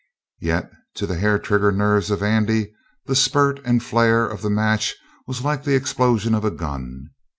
Yet to the hair trigger nerves of Andy the spurt and flare of the match was like the explosion of a gun.